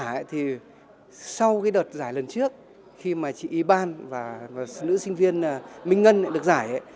các tác giả thì sau cái đợt giải lần trước khi mà chị y ban và nữ sinh viên minh ngân được giải